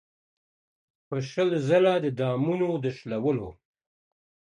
په شل ځله د دامونو د شلولو.